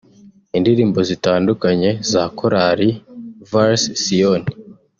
Indirimbo zitandukanye za Korali vers sion